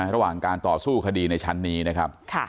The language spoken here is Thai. ระหว่างการต่อสู้คดีในชั้นนี้นะครับ